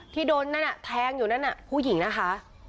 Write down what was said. ที่โดนนั่นแทงอยู่นั่นน่ะผู้หญิงนะคะ